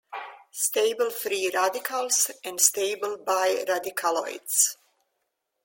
Stable Free Radicals and stable Bi-radicaloids.